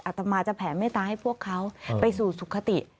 ตมาจะแผ่เมตตาให้พวกเขาไปสู่สุขติ